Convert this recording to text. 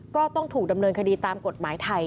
ก็ต้องถูกดำเนินคดีตามกฎหมายไทย